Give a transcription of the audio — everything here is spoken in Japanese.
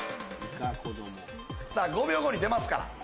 さぁ５秒後に出ますから。